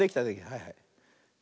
はいはい。ね。